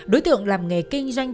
đối tượng làm nghề kinh doanh